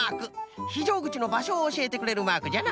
ひじょうぐちのばしょをおしえてくれるマークじゃな。